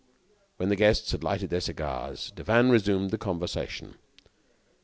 When the guests had lighted their cigars, Devanne resumed the conversation.